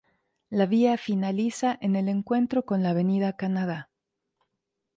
La vía finaliza en el encuentro con la Avenida Canadá.